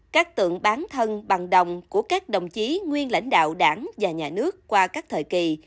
các tượng bán thân bằng đồng của các đồng chí nguyên lãnh đạo đảng và nhà nước qua các thời kỳ